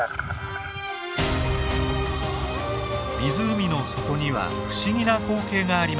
湖の底には不思議な光景がありました。